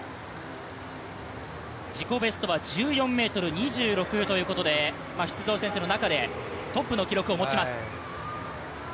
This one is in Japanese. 自己ベストは１４ｍ２６ということで出場選手の中でトップの記録を持ちます。